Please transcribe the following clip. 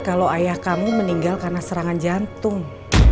kalau ayah kamu meninggal karena serangan jantung